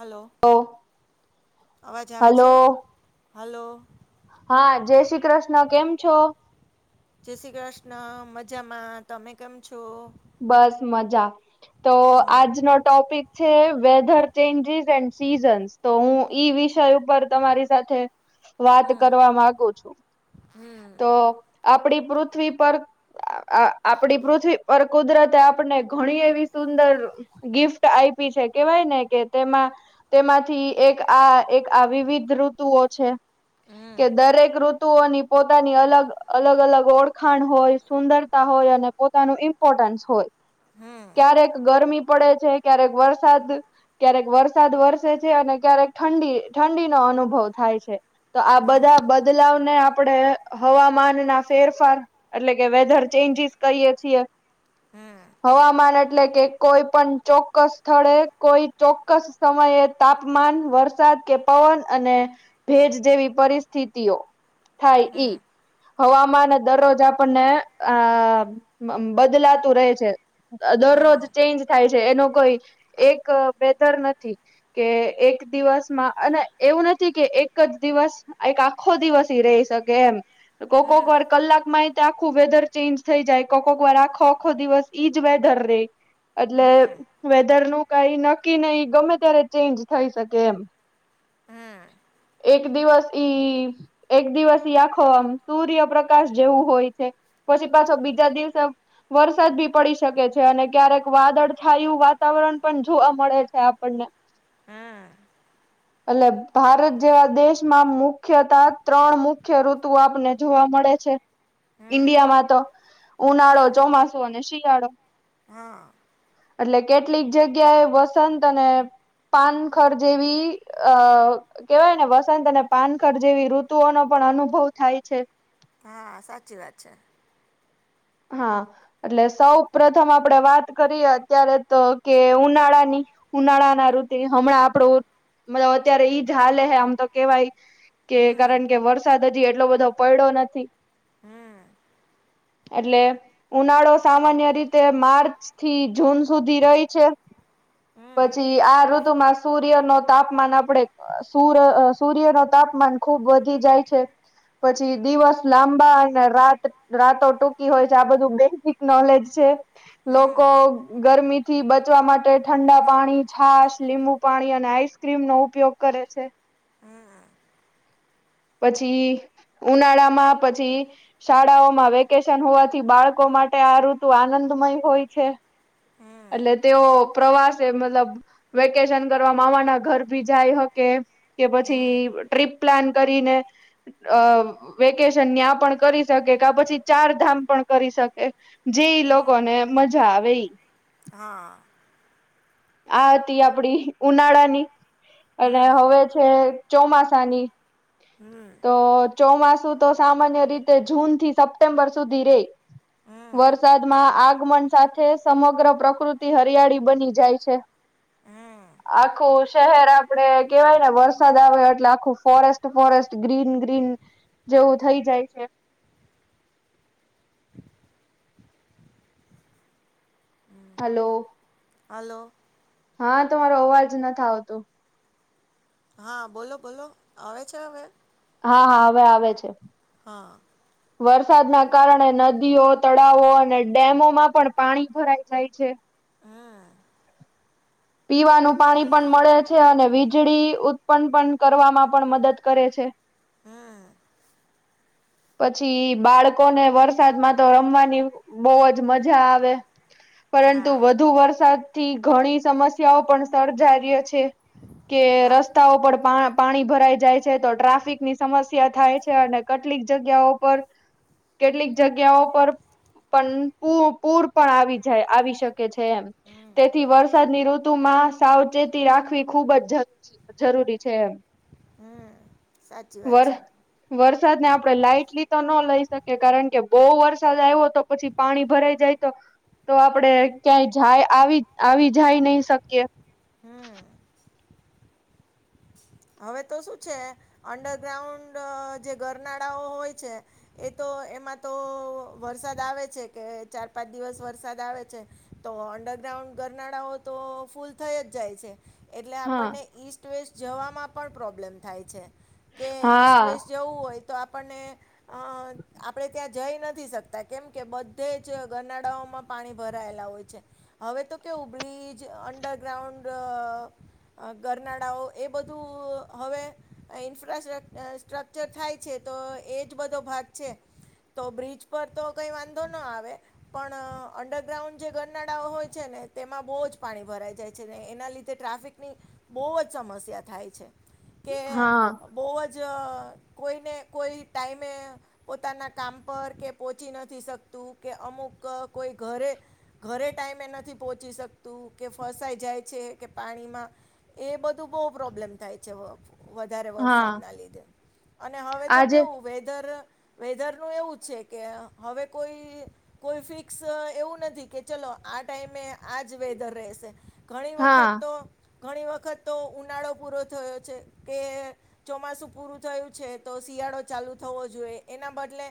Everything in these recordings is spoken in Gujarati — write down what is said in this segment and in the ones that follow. હલો. અવાજ આવે હલો છે? હાલો. હા. જય શ્રી કૃષ્ણ. કેમ છો? જય શ્રી કૃષ્ણ. મજામાં. તમે કેમ છો? બસ મજા. તો હમ આજનો ટોપીક છ છે વેધર ચેન્જીસ એન્ડ સીઝન્સ. તો હું ઈ વિષય ઉપર તમારી સાથે વાત કરવા માંગુ છું. તો આપ આપણી પૃથ્વી પર અ-અ-આપણી પૃથ્વી પર કુદરતે આપણને ઘણી એવી સુંદર ગિફ્ટ આયપી છે. કેવાય ને કે તેમાં તેમાંથી એક આ એક આ વિવિધ ઋતુઓ છે. હમ કે દરેક ઋતુ ઋતુઓની પોતાની અલગ અલગ અલગ ઓળખાણ હોય, સુંદરતા હોય, અને પોતાનુ ઇમ્પોટન્સ હોય, હમ ક્યારેક ગરમી પડે છે. ક્યારેક વરસાદ ક્યારેક વરસાદ વરસે છે, અને ક્યારેક ઠંડી ઠંડીનો અનુભવ થાય છે. તો આ હમ બધા બદલાવને આપ આપણે હવામાન ના ફેરફાર એટલે કે વેધર ચેન્જીસ કરીયે છીએ હમ હવામાન જ એટલે કે કોઈ પણ ચોક્કસ સ્થળે, કોઈ ચોક્કસ સમયે તાપમાન વરસાદ કે પવન અને ભેજ, જેવી પરિસ્થિતિઓ થાય હમ ઈ, હવામાન દરરોજ આપણને આ બદલાતું રહે છે. હમ દરરોજ ચેન્જ થાય છે, એનો કોઈ એક વેધર નથી કે એક એક દિવસમાં અને એવું નથી, કે એક જ દિવસ એક આખો દિવસ રહી શકે એમ કોક હમ કોક વાર કલાકમાં એ તો આખું વેધર ચેન્જ થઈ જાય કોક કોક વાર આખો આખો દિવસ ઈ, જ બેધર રે એટલે હમ વેધર નું કઈ નક્કી નહી, ગમે ત્યારે ચેન્જ થઈ શકે એમ હમ એક દિવસ, ઈ એક દિવસ ઈ આખો સૂર્ય પ્ર્રકાશ જેવું હોય છે. પછી પાછો બીજા દિવસે વરસાદ બી પડી શકે છે, અને ક્યારેક વાદળછાયું વાતાવરણ પણ જોવા મળે છે, આપ પણને હમ્મ એટલે ભારત જેવા દેશમાં મુખ્ય ત્રણ મુખ્ય ઋતુ આપને જોવા મળે છે, હમ ઈન્ડિયા માં તો ઉનાળો ચોમાસું અને શિયાળો? હા એટલે કેટલીક જગ્યાએ વસંત અને પાનખર જેવી અ કેહેવાય ને વસંત અને પાનખર જેવી ઋતુઓનો પણ પણ અનુભવ થાય છે. હા, સાચી વાત છે. હા, એટલે સૌ પ્રથમ આપડે વાત કરીએ અત્યારે તો કે ઉનાળા ની ઉનાળા ના ઋતુ હમણાં આપડો અત્યારે ઈ જ હાલે, હ આમ તો કહેવાય કે હમ કારણ કે વરસાદ હજી, એટલો બધો પડ્યો નથી હમ એટલે ઉનાળો સામાન્ય રીતે, માર્ચ થી જૂન સુધી રહી છે? હમ પછી, આ ઋત તુમાં સૂર્ય ન તાપમાન આપણે સૂર્ય ન તાપમાન ખુબ વધી જાય છે. પછી, દિવસ લાંબા અને રાત રાતો ટૂંકી હોય છે આ બધું બેઝિક નોલેજ છે. હમ લોકો, ગરમી થી બચવા માટે ઠંડા, પાણી, છાશ, લીંબુ પાણી અને આઈસક્રીમ નો ઉપયોગ કરે છે. હમ પછી ઉનાળામાં, પછી શાળાઓમાં વેકેશન હોવાથી બાળકો માટે આ ઋતુ આનંદમય, હોય છે? હમ એટલે તેઓ પ્રવાસે મતલબ વેકેશન કરવા મામા ના ઘર ભી જાય હકે કે પછી હમ ટ્રીપ પ્લાન કરીને વેકેશન ત્યા પણ કરી શકે કે પછી ચાર ધામ પણ કરી કે જે ઈ, હમ લોકો ને મજા આવે ઈ હા આ હતી આપડી ઉનાળાની અને હમ હવે છે ચોમાસાની, હમ તો ચોમાસા સામાન્ય રીતે જૂન, થી સપ્ટેમ્બર સુધી રહે. વરસાદમાં આગમન, સાથે સમગ્ર પ્રકૃતિ હરિયાળી બની જાય છે. આખું શહેર આપડે કહેવાય, ને વરસાદ આવે એટલે આખું forest forest green green green જેવુ, થઈ જાય છે. હલો. હલો. હા, તમારો અવાજ નથી, આવતો હા, બોલો બોલો આવે છે. હવે? હા, હા, હવે આવે છે. હા વરસાદના કારણે નદીઓ તળાવો અને ડેમોમાં પણ પાણી ભરાઈ જાય છે. પીવાનુ, પાણી પણ મળે છે. અને વીજળી ઉત્પન્ન પણ કરવામાં પણ મદદ કરે છે. હમ પછી, બાળકોને વરસાદમાં તો રમવાની બહુ જ મજા આવે. પરંતુ, હા વધુ વરસાદ થી ઘણી સમસ્યાઓ પણ સર્જ રહ્ય છે. કે હા રસ્તાઓ પર પા પાણી ભરાઈ જાય છે, તો ટ્રાફિક ની સમસ્યા થાય છે, અને કેટલીક જગ્યાઓ પર કેટલીક, જગ્યાઓ પર પણ પૂર પણ આવી જાય આવી શકે છે, એમ તેથી વરસાદની ઋતુમાં સાવચેતી, રાખવી ખુબ જ જરૂરી છે, એમ હમ, સાચી વાત વર છે. વરસાદને આપણે લાાઈટલી, તો ન લઈ શકીએ કારણ કે બહુ વરસાદ આવ્યો તો પછી પાણી ભરાઈ જાય તો તો આપડે ક્યાંય જાય આવી આવી જાય નહી, શકીએ? હમ્મ હવે તો શું છે, અંડરગ્રાઉન્ડ જે ગરનાળાઓ હોય છે, એ તો એમાં તો વરસાદ આવે છે કે ચાર પાંચ દિવસ વરસાદ આવે છે, તો અંડર ગ્રાઉન્ડ ગરનાળા, હો તો ફૂલ થઈ જ જાય છે. એટલે હા આપણને ઈસ્ટ વેસ્ટ જવામાં પણ પ્રોબ્લેમ થાય છે. કે ઈસ્ટ, હા વેસ્ટ જવું હોય તો આપણને આપણે, ત્યાં જઈ નથી શકતા કેમ કે બધે જ ગનાડાાઓમા પાણી ભરાયેલા હોય છે. હવે તો કેવું બ્રિજ, અંડરગ્રાઉન્ડ ગરનાડાાઓ એ બધું હવે ઇન્ફ્ર્ટ સ્ટ્રકચર થાય છે તો એ જ બધો ભાગ છે તો બ્રિજ પર તો કઈ વાંધો ના આવે પણ અંડરગ્રાઉન્ડ જે ગરનાડાઓ હોય છે ને તેમાં બહુ જ પાણી ભરાઈ જાય છે ને એના લીધે ટ્રાફિકની બહુ જ સમસ્યા થાય છે કે હા બોવજ કોઈને કોઈ ટાઈમે પોતાના કામ પર કે પોહચી નથી શકતું કે અમુક કોઈ ઘરે ઘરે ટાઈમે નથી પહોંચી શકતું કે ફસાઈ જાય છે. કે પાણીમાં એ બધું બહુ પ્રોબ્લેમ થાય છે. વધારે હા વરસાદના લીધે અને હવે તો આજે કેવું વેધર વેધર નું એવું છે કે હવે કોઈ કોઈ ફિક્સ એવું નથી કે ચલો આ ટાઈમે આજ વેધર રહેશે, ઘણી હા વખત તો ઘણી વખત તો ઉનાળો પૂરો કે ચોમાસું પૂરુ થયું છે, તો શિયાળો ચાલુ થવો જોઈએ એના બ એટલે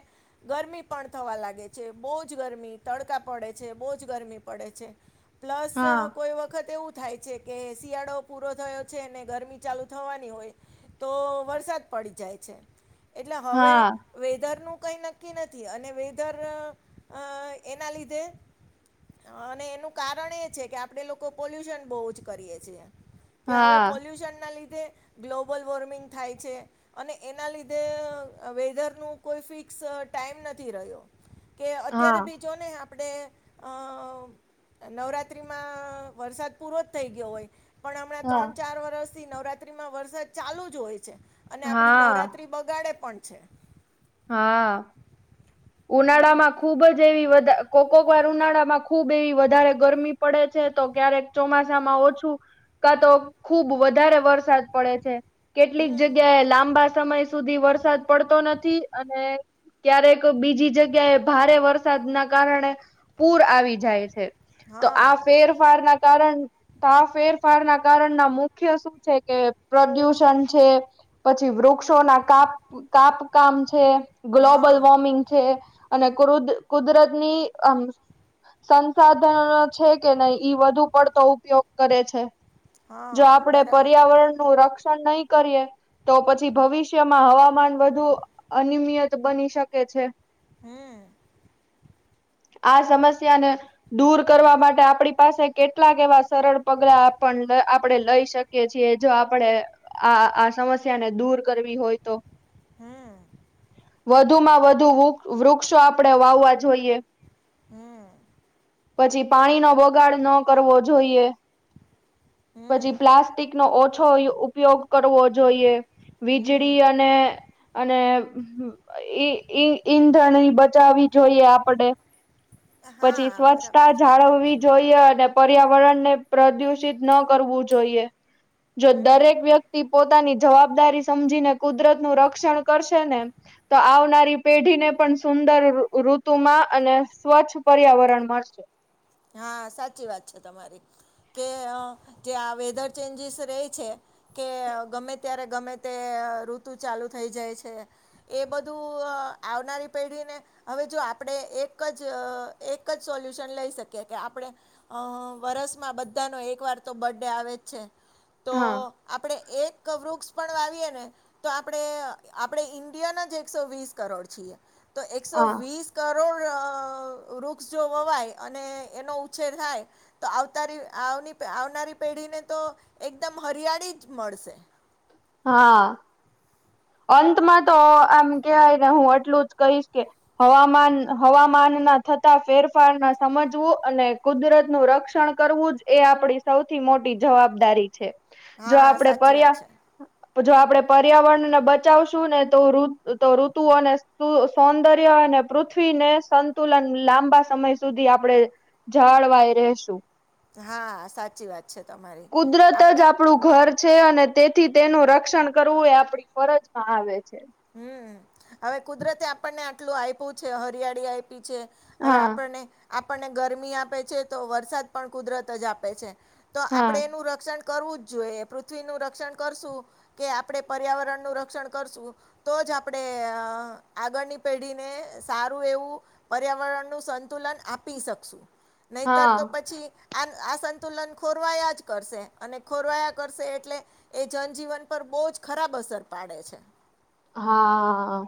ગરમી પણ થવા લાગે છે બહુ જ ગરમી તડકા પડે છે, બહુ જ ગરમી પડે છે. પ્લસ હા કોઈ વખત એવું થાય છે, કે શિયાળો પૂરો થયો છે, અને ગરમી ચાલુ થવાની હોય તો વરસાદ પડી જાય છે. એટલે હવે, હા વેધરનુ કઈ નક્કી નથી, અને વેધર એના લીધે અને એનું કારણ એ છે, કે આપડે લોકો પોલ્યુશન બહુ જ કરીએ છેએ કે હવે, હા પોલ્યુશન લીધે ગ્લોબલ વોર્મિંગ થાય છે, અને એના લીધે વેધરનું કોઈ ફિક્સ ટાઈમ નથી રહ્યો કે અત્યારે હા બીજોને આપણે નવરાત્રિમાં વરસાદ પૂરો થઈ ગયો હોય. પણ હમણાં ત્રણ હા ચાર વરષ થી નવરાત્રીમાં વરસાદ ચાલુ જ હોય છે. અને આપડી હા નવરાત્રી બગાડે પણ છે. હા. ઉનાળા હમ માં ખુબ જ એવી [unintelligible] કો કોક વાર ઉનાળામાં ખુબ એવી વધારે ગરમી પડે છે તો ક્યારેક ચોમાસામાં ઓછું કા તો ખુબ વધારે વરસાદ પડે છે. કેટલીક હમ જગ્યાએ લાંબા સમય સુધી વરસાદ પડતો નથી અને ક્યારેક બીજી જગ્યા એ ભારે વરસાદ ના કારણે પૂર આવી જાય છે. તો હા આ ફેરફાર ના કારણ તા ફેરફાર ના કારણના મુખ્ય શું છે કે પ્રદુષણ છે પછી વૃક્ષો ના કાપ કાપકામ છે. ગ્લોબલ હા. અને [unintelligible] કુદરતની આમ સંસાધનો છે કે નહી ઈ વધુ પડતો ઉપયોગ કરે છે. હા જો આપડે બરાબર છે પર્યાવરણ નું રક્ષણ નહી કરીએ તો પછી ભવિષ્યમાં હવામાન વધુ અનિમયત બની શકે [inaudible] છે. હમ્મ. [inaudible] આ સમસ્યાને દૂર કરવા માટે આપણી પાસે કેટલાક એવા સરળ પગલા આપણે આપણે લઈ શકીએ છીએ જો આપણે આ આ સમસ્યા ને દૂર કરવી હોય, તો હમ. વધુ માં વધુ વૃક્ષો આપણે વાવવા જોઈએ. હમ. પછી પાણી નો બગાડ ન કરવો જોઈએ હમ પછી પ્લાસ્ટિક નો ઓછો ઉપયોગ કરવો જોઈએ. હમ વીજળી અને, અને ઈંધણની બચાવવી જોઈએ આપડે પછી હા બરાબર સ્વચ્છતા છે જાળવવી જોઈએ, અને પર્યાવરણ ને પ્રદુષિત ન કરવું જોઈએ, જો દરેક વ્યક્તિ પોતાની જવાબદારી સમજીને કુદરતનુ રક્ષણ કરશે ને તો આવનારી પેઢીને પણ સુંદર ઋતુમા, અને સ્વચ્છ પર્યાવરણ મળશે હા, સાચી વાત છે, તમારી કે જે આ વેધર ચેન્જીસ રહે છે. કે ગમે ત્યારે, ગમે તે ઋતુ ચાલુ થઈ જાય છે. એ બધું આવનારી પેઢીને હવે, જો આપણે એક જ એક જ સોલ્યુશન લઈ શકીએ કે કે આપણે વરસમાં, બધાનો એક વાર તો બથૅડે આવે જ છે. તો હા આપડે એક વૃક્ષ પણ વાવીએ ને તો આપણે આપણે ઈન્ડિયાના જ એકસો વીસ કરોડ છીએ. તો એકસો હા વીસ કરોડ વૃક્ષ જો વવાય અને એનો ઉછેર થાય તો અવતારી આવની આવનારી પેઢીને તો એકદમ હરિયાળી [unintelligible] મળશે. હા. અંતમાં તો આમ કવાય ને હું એટલું જ કહીશ કે હવામાન હવામાન ના થતા ફેરફાર ના સમજવું અને કુદરતનું રક્ષણ કરવું જ એ આપણી સૌથી મોટી જવાબદારી છે. જો હા આપણે સાચી વાત પર્યા છે. જો આપણે પર્યાવરણને બચાવશું ને તો ઋતુઓને સૌંદર્ય અને પૃથ્વીને સંતુલન સંતુલન, લાંબા સમય સુધી આપડે જાળવાય રહેશુ હા, સાચી વાત છે, તમારી કુદરત જ આપણે આપણું ઘર છે, અને તેથી તેનું રક્ષણ કરવું એ આપડી ફરજમાં આવે છે. હમ હવે કુદરતે આપણને આટલું આપ્યું છે. હરિયાળી આપી છે, હવે હા આપણને ગરમી આપે છે તો વરસાદ પણ કુદરત જ આપે છે. તો આપણે હા એનું રક્ષણ કરવું જ જોઈએ પૃથ્વીનુ રક્ષણ કરશું કે આપણે પર્યાવરણ નું રક્ષણ કરશુ તો જ આપણેે આગળની પેઢીને સારું એવું પર્યાવરણનું સંતુલન આપી શકશુ નહિતર, તો હા. પછી આ સંતુલન ખોરવાયા જ કરશે અને ખોરવાયા કરશે એટલે એ જનજીવન પર બહુ જ ખરાબ અસર પાડે છે. હા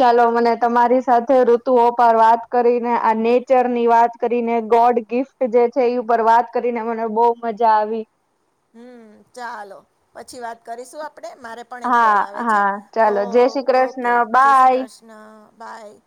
ચાલો મને, તમારી સાથે ઋતુઓ પર વાત કરીને આ નેચર ની વાત કરીને ગોડ ગિફ્ટ જે છે, એ ઉપર વાત કરીને મને બહુ મજા આવી હમ, ચાલો પછી વાત કરીશું આપણે આપણે મારે પણ એક હા કોલ આવે છે, હા તો ચાલો જય શ્રી કૃષ્ણ ઓકે જય શ્રી બાય કૃષ્ણ બાય